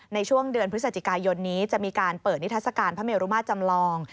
ในช่วงเดือนพฤศจิกายนนี้จะมีการเปิดนิทัศกาลพระเมรุมาตรจำลอง